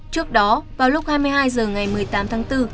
trước đó vào lúc hai mươi hai h ngày một mươi tám tháng bốn